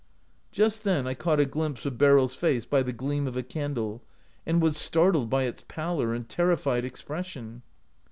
'" Just then I caught a glimpse of Beryl's face by the gleam of a candle, and was startled by its pallor and terrified expression.